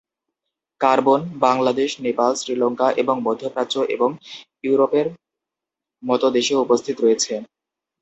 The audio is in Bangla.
কার্বন বাংলাদেশ, নেপাল, শ্রীলঙ্কা এবং মধ্য প্রাচ্য এবং ইউরোপের মতো দেশেও উপস্থিত রয়েছে।